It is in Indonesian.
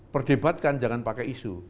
perdebatkan jangan pakai isu